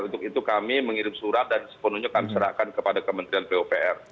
untuk itu kami mengirim surat dan sepenuhnya kami serahkan kepada kementerian pupr